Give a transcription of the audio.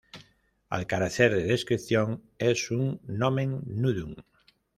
Al carecer de descripción, es un "nomen nudum".